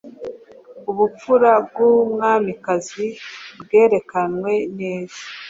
Ubupfura bwumwamikazi bwerekanwe neza